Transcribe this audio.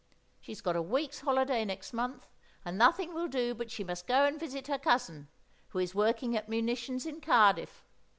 She's got a week's holiday next month, and nothing will do but she must go and visit her cousin, who is working at munitions in Cardiff.